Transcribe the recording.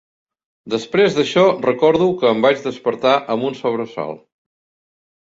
Després d'això, recordo que em vaig despertar amb un sobresalt